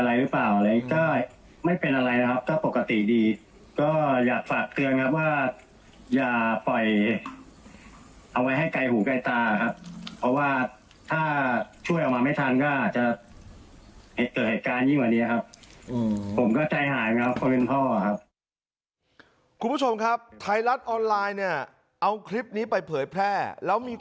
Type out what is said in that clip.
ไม่ครับก็ให้แม่เขาคอยปอบคอยปอบครับแล้วแล้วดูอาการนะครับว่าจะเป็นอะไรหรือเปล่าอะไร